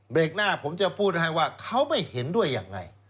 หน้าผมจะพูดให้ว่าเขาไม่เห็นด้วยยังไง